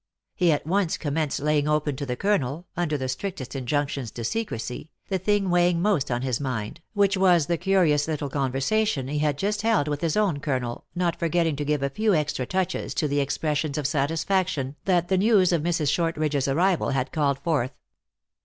He at once commenced laying open to the colonel, under the strictest injunctions to secrecy, the thing weighing most on his mind, which was the curious little con versation he had just held with his own colonel, not forgetting to give a few extra touches to the ex pressions of satisfaction that the news of Mrs. Short ridge s arrival had called forth.